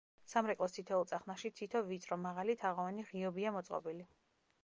სამრეკლოს თითოეულ წახნაგში თითო, ვიწრო, მაღალი, თაღოვანი ღიობია მოწყობილი.